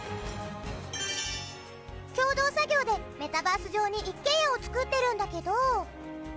共同作業でメタバース上に一軒家を作ってるんだけど。